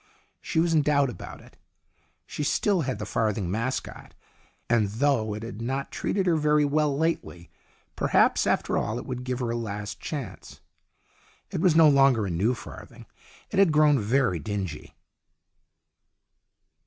She was in doubt about it. She still had the farthing mascot, and though it had not treated her very well lately, perhaps after all it would give her a last chance. It was no longer a new farthing ; it had grown very dingy.